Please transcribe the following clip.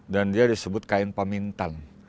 dan dia disebut kain pamintan